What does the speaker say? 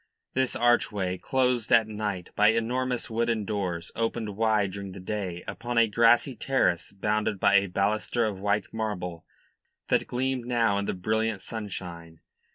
This archway, closed at night by enormous wooden doors, opened wide during the day upon a grassy terrace bounded by a baluster of white marble that gleamed now in the brilliant sunshine.